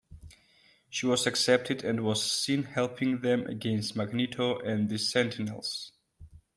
She accepted and was seen helping them against Magneto and the Sentinels.